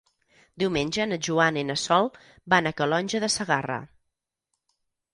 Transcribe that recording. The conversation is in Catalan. Diumenge na Joana i na Sol van a Calonge de Segarra.